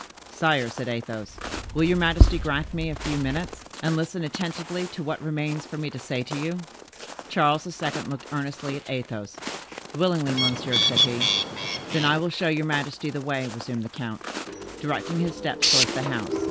"Sire," said Athos, "will your majesty grant me a few minutes, and listen attentively to what remains for me to say to you?" Charles II. looked earnestly at Athos. "Willingly, monsieur," said he. "Then I will show your majesty the way," resumed the count, directing his steps towards the house.